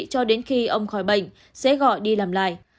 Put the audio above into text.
cho đến khi ông khỏi bệnh sẽ gọi đi làm lại